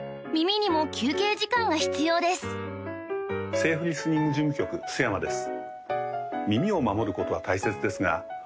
セーフリスニング事務局須山です